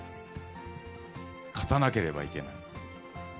勝たなければいけない。